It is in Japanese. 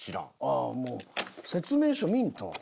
もう説明書見んと。